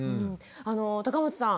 高松さん。